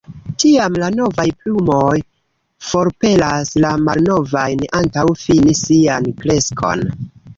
Tiam la novaj plumoj forpelas la malnovajn antaŭ fini sian kreskon.